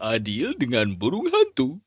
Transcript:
adil dengan burung hantu